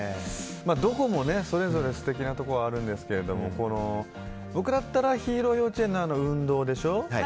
どこもそれぞれ素敵なところあるんですけども僕だったらヒーロー幼児園の運動でしょ